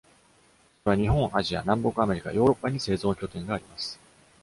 それは日本、アジア、南北アメリカ、ヨーロッパに製造拠点があります。